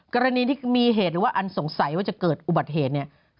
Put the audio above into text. กรณีที่มีเหตุหรือว่าอันสงสัยว่าจะเกิดอุบัติเหตุเนี่ย